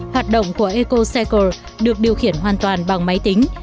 hoạt động của ecocycle được điều khiển hoàn toàn bằng máy tính